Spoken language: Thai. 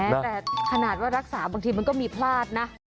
แต่ขนาดว่ารักษาบางทีมันก็มีพลาดนะ